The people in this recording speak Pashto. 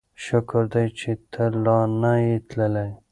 شکر دی چې ته لا نه یې تللی.